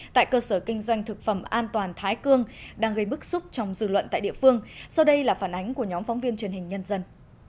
tại cơ sở kinh doanh thực phẩm an toàn thái cương đang gây bức xúc trong dư luận tại địa phương sau đây là phản ánh của nhóm phóng viên truyền hình nhân dân